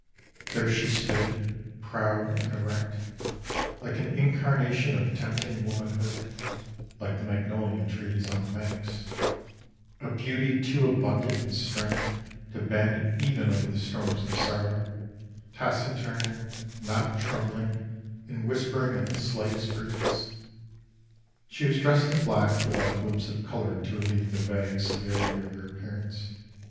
There she stood, proud and erect, like an incarnation of tempting womanhood, like the magnolia trees on the banks,, a beauty too abundant in strength to bend even under the storms of sorrow, taciturn, not trembling and whispering at the slightest breeze. She was dressed in black without a glimpse of color to relieve the vague severity of her appear ance.